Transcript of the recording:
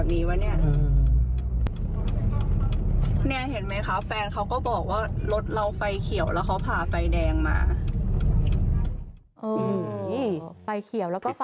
เออไฟเขียวแล้วก็ผ่า